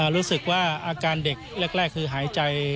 รู้สึกว่าอาการเด็กแรกคือหายใจ